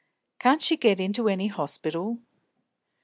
"Can't she get into any hospital!"